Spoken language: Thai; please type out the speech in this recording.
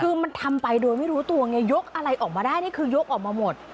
คือมันทำไปโดยไม่รู้ตัวไงยกอะไรออกมาได้นี่คือยกออกมาหมด